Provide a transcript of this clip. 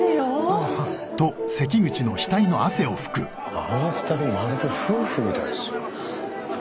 あの２人まるで夫婦みたいですね。